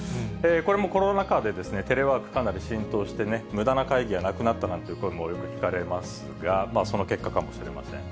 これもコロナ禍で、テレワーク、かなり浸透してね、むだな会議がなくなったという声もよく聞かれますが、その結果かもしれません。